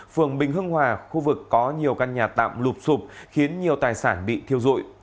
phường bình hưng hòa khu vực có nhiều căn nhà tạm lụp sụp khiến nhiều tài sản bị thiêu dụi